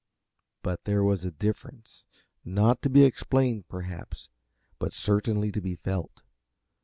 But there was a difference, not to be explained, perhaps, but certainly to be felt.